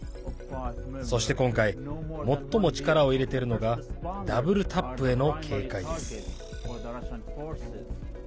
そして、今回最も力を入れているのがダブルタップへの警戒です。